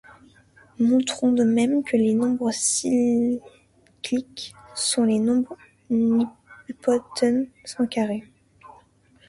Montrons de même que les nombres cycliques sont les nombres nilpotents sans carré.